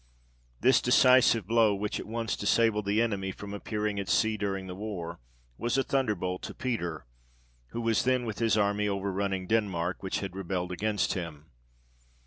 This decisive blow, which at once disabled the enemy from appearing at sea during the war, was a thunderbolt to Peter, who was then with his army, over running Denmark, which had rebelled against him.